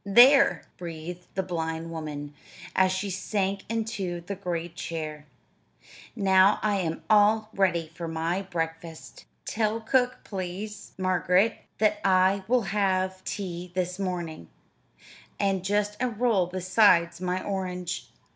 "There!" breathed the blind woman, as she sank into the great chair. "Now I am all ready for my breakfast. Tell cook, please, Margaret, that I will have tea this morning, and just a roll besides my orange."